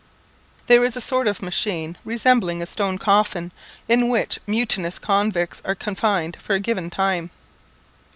There is a sort of machine resembling a stone coffin, in which mutinous convicts are confined for a given time.